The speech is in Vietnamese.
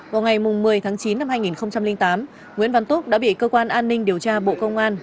vào ngày một mươi tháng chín năm hai nghìn tám nguyễn văn túc đã bị cơ quan an ninh điều tra bộ công an